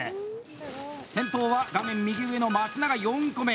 先頭は、画面右上の松永４個目。